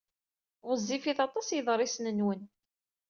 Ɣezzifit aṭas yeḍrisen-nwen.